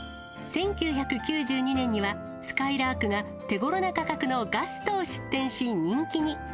１９９２年には、すかいらーくが、手頃な価格のガストを出店し人気に。